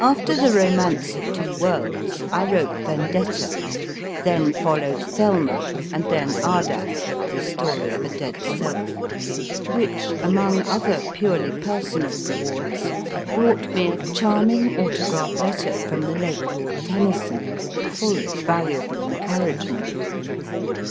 After the Romance of Two Worlds I wrote Vendetta ; then followed Thelma, and then Ardath : The Story of a Dead Self, which, among other purely personal rewards, brought me a charming autograph letter from the late Lord Tennyson, full of valuable encouragement.